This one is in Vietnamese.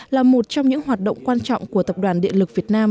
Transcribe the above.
là một trong những hoạt động quan trọng của tập đoàn điện lực việt nam